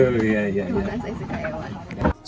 kebetulan saya suka hewan